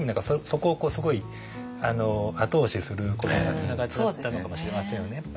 そこをすごい後押しすることにつながっちゃったのかもしれませんよね。